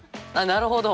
なるほど。